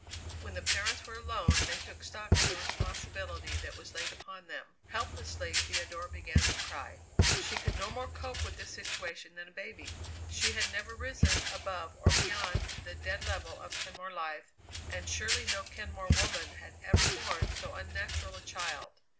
When the parents were alone they took stock of the responsibility that was laid upon them. Helplessly Theodora began to cry. She could no more cope with this situation than a baby. She had never risen above or beyond the dead level of Kenmore life, and surely no Kenmore woman had ever borne so unnatural a child.